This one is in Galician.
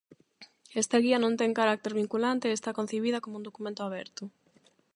Esta guía non ten carácter vinculante e está concibida como un documento aberto.